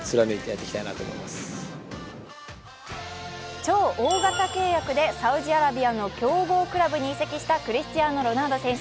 超大型契約でサウジアラビアの強豪クラブに移籍したクリスチアーノ・ロナウド選手。